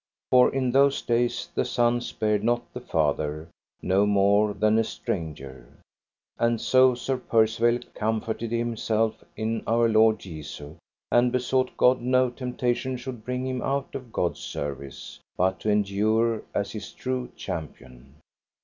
For in those days the son spared not the father no more than a stranger. And so Sir Percivale comforted himself in our Lord Jesu, and besought God no temptation should bring him out of God's service, but to endure as his true champion.